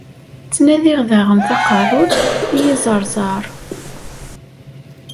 Ttandiɣ daɣen taqerrut i yiẓerẓar.